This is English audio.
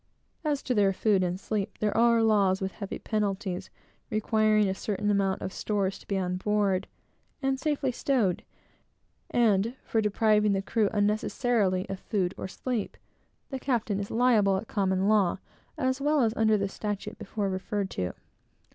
As to their food and sleep, there are laws, with heavy penalties, requiring a certain amount of stores to be on board, and safely stowed; and, for depriving the crew unnecessarily of food or sleep, the captain is liable at common law, as well as under the statute before referred to.